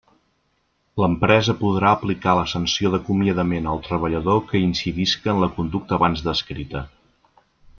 L'empresa podrà aplicar la sanció d'acomiadament al treballador que incidisca en la conducta abans descrita.